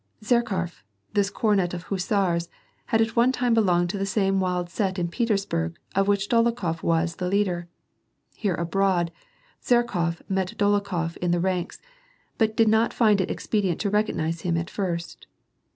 Zherkofy this comet of hussars, had at one time belonged to the same wild set in Petersburg of which Dolokhof was the leader. Here, abroad, Zherkof met Dolokhof in the ranks, but , did not find it expedient to recognize him at first..